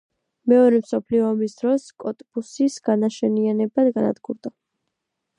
მეორე მსოფლიო ომის დროს კოტბუსის განაშენიანება განადგურდა.